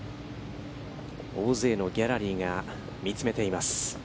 大勢のギャラリーが見詰めています。